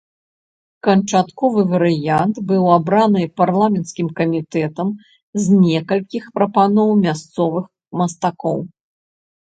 Канчатковы варыянт быў абраны парламенцкім камітэтам з некалькіх прапаноў мясцовых мастакоў.